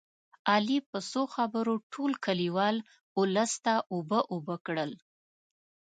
علي په څو خبرو ټول کلیوال اولس ته اوبه اوبه کړل